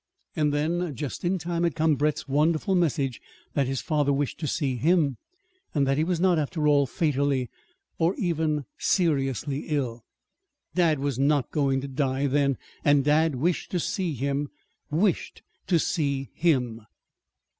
Then, just in time, had come Brett's wonderful message that his father wished to see him, and that he was not, after all, fatally or even seriously ill. Dad was not going to die, then; and dad wished to see him wished to see him!